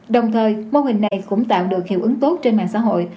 đồng thời mô hình này cũng tạo được hiệu ứng tốt trên mạng xã hội